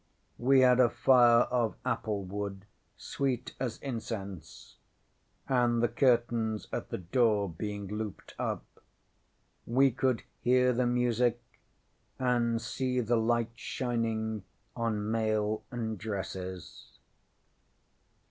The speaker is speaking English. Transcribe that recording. We had a fire of apple wood, sweet as incense, and the curtains at the door being looped up, we could hear the music and see the lights shining on mail and dresses.